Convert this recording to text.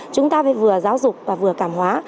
chúng ta phải vừa giáo dục và vừa cảm hóa